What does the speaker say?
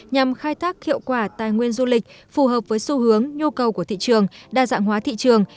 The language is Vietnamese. nhằm khai thác hiệu quả tài nguyên du lịch phù hợp với xu hướng nhu cầu của thị trường đa dạng hóa thị trường